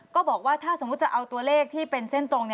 ก็บอกว่าถ้าสมมุติจะเอาตัวเลขที่เป็นเส้นตรง